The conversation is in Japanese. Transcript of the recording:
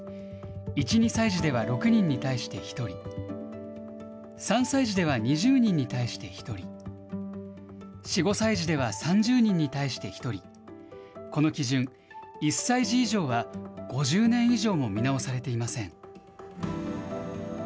１、２歳児では６人に対して１人、３歳児では２０人に対して１人、４、５歳児では３０人に対して１人、この基準、１歳児以上は５０年以上も見直されていません。